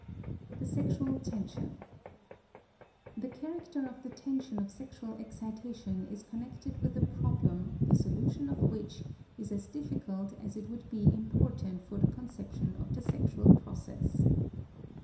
*The Sexual Tension* The character of the tension of sexual excitation is connected with a problem the solution of which is as difficult as it would be important for the conception of the sexual process.